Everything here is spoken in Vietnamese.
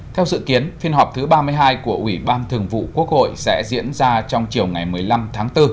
theo dự kiến phiên họp thứ ba mươi hai của ủy ban thường vụ quốc hội sẽ diễn ra trong chiều ngày một mươi năm tháng bốn